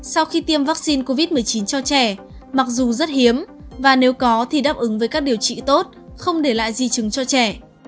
sau khi tiêm vaccine covid một mươi chín cho trẻ mặc dù rất hiếm và nếu có thì đáp ứng với các điều trị tốt không để lại di chứng cho trẻ